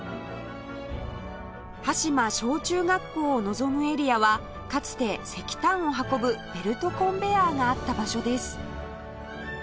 端島小中学校を望むエリアはかつて石炭を運ぶベルトコンベヤーがあった場所です